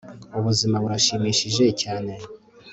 ubuzima burashimishije cyane